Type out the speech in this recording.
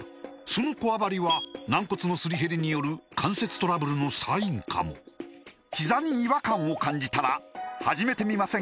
そのこわばりは軟骨のすり減りによる関節トラブルのサインかもひざに違和感を感じたら始めてみませんか